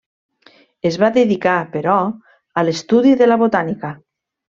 Es va dedicar, però, a l'estudi de la botànica.